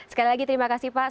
sekali lagi terima kasih pak